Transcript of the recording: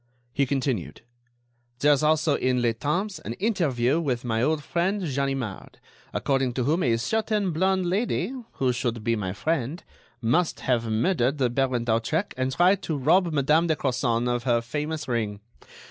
He continued: "There is also in 'Le Temps' an interview with my old friend Ganimard, according to whom a certain blonde lady, who should be my friend, must have murdered the Baron d'Hautrec and tried to rob Madame de Crozon of her famous ring.